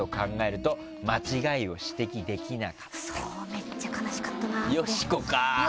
めっちゃ悲しかったな。